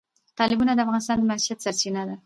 تالابونه د افغانانو د معیشت سرچینه ده.